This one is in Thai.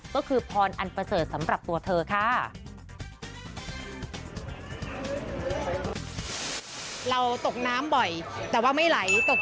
ตกไฟบ่อยแต่ไม่ไหม้